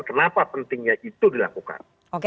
kenapa pentingnya itu dilakukan